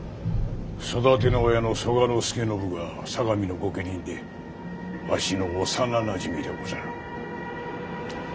育ての親の曽我祐信が相模の御家人でわしの幼なじみでござる。